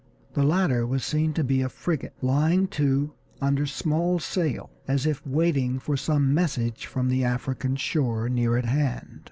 The latter was seen to be a frigate, lying to under small sail, as if waiting for some message from the African shore near at hand.